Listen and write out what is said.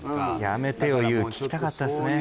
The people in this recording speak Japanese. やめてよＹｏｕ聞きたかったっすね